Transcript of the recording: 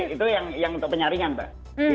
itu yang untuk penyaringan mbak